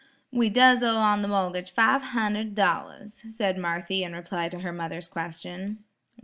"We does owe on the mor'gage five hundred dollars," said Marthy in reply to her mother's question.